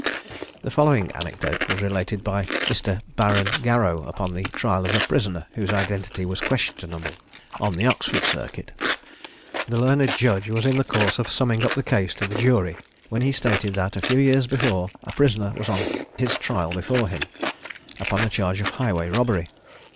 The following anecdote was related by Mr. Baron Garrow upon the trial of a prisoner, whose identity was questionable, on the Oxford Circuit. The learned judge was in the course of summing up the case to the jury, when he stated that a few years before, a prisoner was on his trial before him, upon a charge of highway robbery.